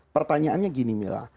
pertanyaannya gini mila